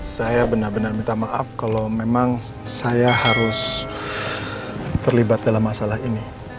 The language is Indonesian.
saya benar benar minta maaf kalau memang saya harus terlibat dalam masalah ini